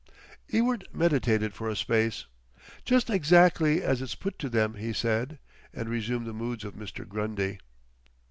Ewart meditated for a space. "Just exactly as it's put to them," he said, and resumed the moods of Mr. Grundy.